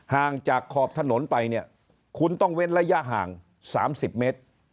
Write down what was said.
ห่างจากขอบถนนไปเนี่ยคุณต้องเว้นระยะห่าง๓๐เมตร